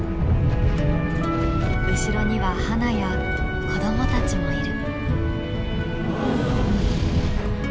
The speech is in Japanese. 後ろにはハナや子どもたちもいる。